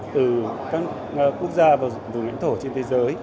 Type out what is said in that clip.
từ các quốc gia và vùng lãnh thổ trên thế giới